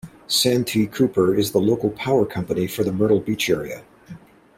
Santee Cooper is the local power company for the Myrtle Beach area.